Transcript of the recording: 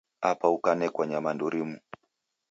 Apa ukanekwa nyamandu rimu